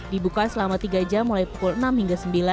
dibuka selama tiga jam mulai pukul enam hingga sembilan